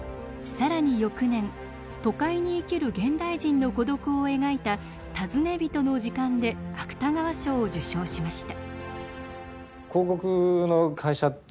更に翌年都会に生きる現代人の孤独を描いた「尋ね人の時間」で芥川賞を受賞しました。